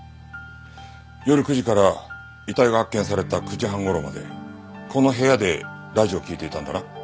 夜９時から遺体が発見された９時半頃までこの部屋でラジオを聴いていたんだな？